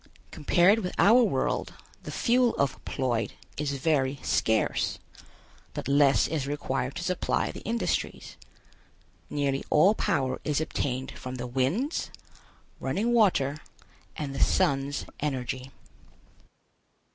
Compared with our world, the fuel of Ploid is very scarce, but less is required to supply the industries. Nearly all power is obtained from the winds, running water and the sun's energy.